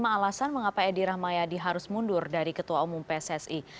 lima alasan mengapa edi rahmayadi harus mundur dari ketua umum pssi